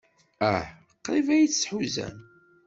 Ah, qrib ay tt-tḥuzam.